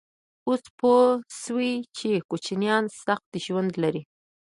_اوس پوه شوې چې کوچيان سخت ژوند لري؟